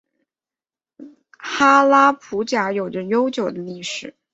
哈拉卜贾有着悠久的历史。